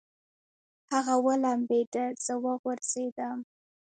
هغه ولمبېده، زه وغورځېدم.